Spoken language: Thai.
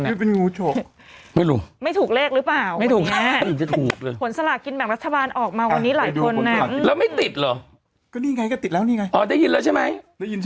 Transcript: นี่เป็นงูฉกไม่รู้ไม่ถูกเลขหรือเปล่าไม่ถูกแน่